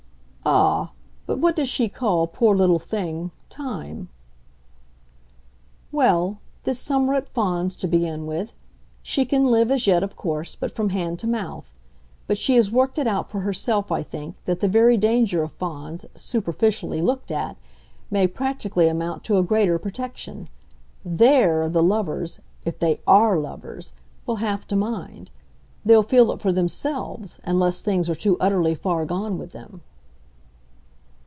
"Ah, but what does she call, poor little thing, 'time'?" "Well, this summer at Fawns, to begin with. She can live as yet, of course, but from hand to mouth; but she has worked it out for herself, I think, that the very danger of Fawns, superficially looked at, may practically amount to a greater protection. THERE the lovers if they ARE lovers! will have to mind. They'll feel it for themselves, unless things are too utterly far gone with them."